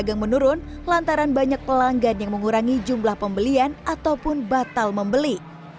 pedagang menurun lantaran banyak pelanggan yang mengurangi jumlah pembelian ataupun batal membeli